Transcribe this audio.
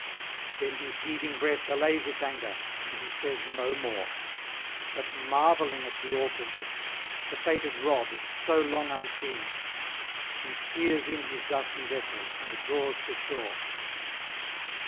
Then his heaving breast allays its anger, and he says no more; but marvelling at the awful gift, the fated rod so long unseen, he steers in his dusky vessel and draws to shore.